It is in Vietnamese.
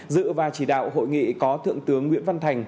dự và chỉ đạo hội nghị có thượng tướng nguyễn văn thành